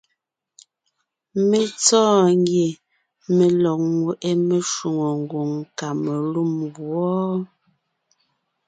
Mé tsɔ́ɔn ngie mé lɔg ńŋweʼe meshwóŋè ngwòŋ Kamalûm wɔ́.